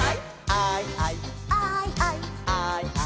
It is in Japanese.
「アイアイ」「」「アイアイ」「」